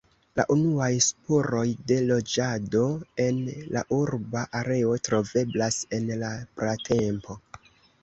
La unuaj spuroj de loĝado en la urba areo troveblas en la pratempo.